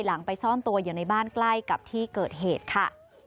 ไปซ่อนตัวอยู่ในบ้านใกล้กับที่เกิดเหตุค่ะ